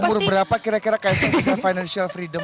umur berapa kira kira kayak bisa financial freedom